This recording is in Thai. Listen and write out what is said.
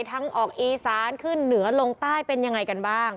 ทั้งออกอีสานขึ้นเหนือลงใต้เป็นยังไงกันบ้าง